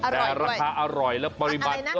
แต่ราคาอร่อยและปริมัติก็